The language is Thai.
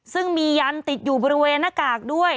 ซึ่งมียันติดอยู่บริเวณหน้ากากด้วย